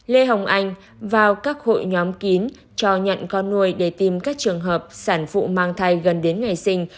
lê hồng anh vào các hội nhóm kín cho nhận con nuôi để tìm các trường hợp sản phụ mang thai gần đến ngày sinh